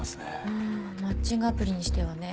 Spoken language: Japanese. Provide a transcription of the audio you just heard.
うんマッチングアプリにしてはね。